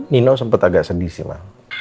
nino sempet agak sedih sih ma